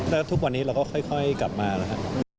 แล้วทุกวันนี้เราก็ค่อยกลับมาแล้วครับ